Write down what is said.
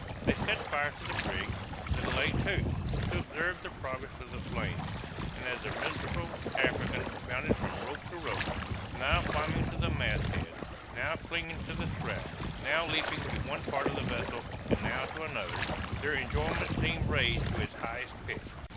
They set fire to the brig, then lay to, to observe the progress of the flames; and as the miserable African bounded from rope to rope, now climbing to the mast head now clinging to the shrouds now leaping to one part of the vessel, and now to another, their enjoyment seemed raised to its heighest pitch.